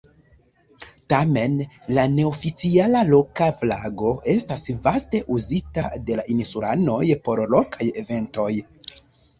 Tamen, la neoficiala loka flago estas vaste uzita de la insulanoj por lokaj eventoj.